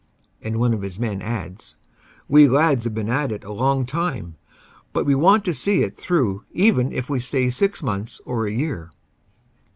And one of his men adds : "We lads have been at it a long time but we want to see it through even if we stay six months or a year."